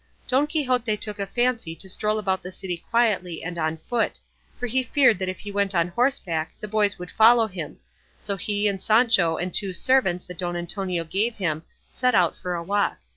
Don Quixote took a fancy to stroll about the city quietly and on foot, for he feared that if he went on horseback the boys would follow him; so he and Sancho and two servants that Don Antonio gave him set out for a walk.